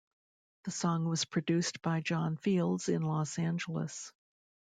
The song was produced by John Fields in Los Angeles.